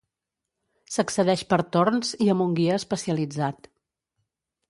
S'accedeix per torns i amb un guia especialitzat.